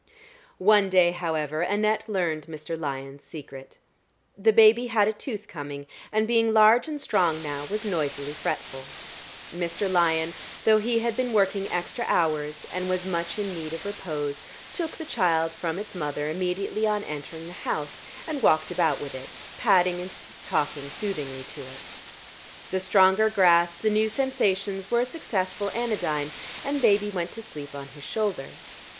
One day, however, Annette learned Mr. Lyon's secret. The baby had a tooth coming, and being large and strong now, was noisily fretful. Mr. Lyon, though he had been working extra hours and was much in need of repose, took the child from its mother immediately on entering the house and walked about with it, patting and talking soothingly to it. The stronger grasp, the new sensations, were a successful anodyne, and baby went to sleep on his shoulder.